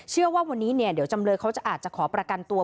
เชื่อว่าวันนี้เนี่ยเดี๋ยวจำเลยเขาจะอาจจะขอประกันตัว